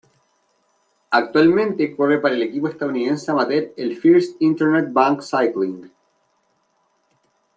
Actualmente corre para el equipo estadounidense amateur el First Internet Bank Cycling.